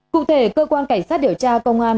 cụ thể cơ quan cảnh sát điều tra công an